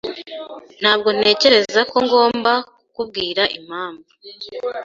Ntabwo ntekereza ko ngomba kukubwira impamvu.